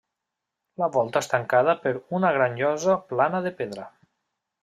La volta és tancada per una gran llosa plana de pedra.